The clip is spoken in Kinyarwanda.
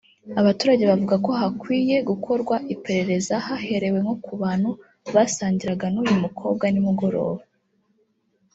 Abaturage bavuga ko hakwiye gukorwa iperereza haherewe nko ku bantu basangiraga n’uyu mukobwa nimugoroba